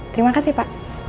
terima kasih pa